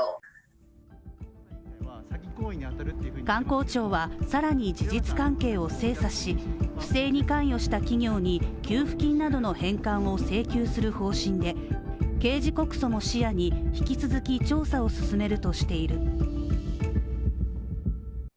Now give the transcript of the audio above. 観光庁は更に事実関係を精査し、不正に関与した企業に給付金などの返還を請求する方針で、刑事告訴も視野に引き続き調査を進めるとしている。